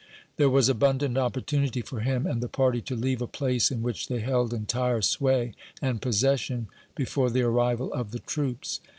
There was abundant opportunity for him and the party to leave a place in which they held entire sway and possession, before the arrival of the troops.